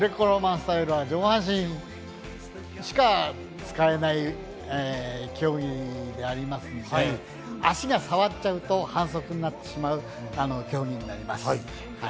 スタイルは上半身しか使えない競技でありますので、足が触っちゃうと反則になってしまう競技です。